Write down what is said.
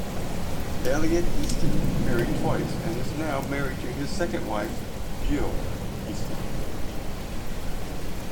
Elliot Easton married twice and is now married to his second wife Jill Easton.